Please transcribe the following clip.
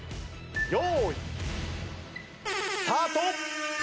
用意スタート！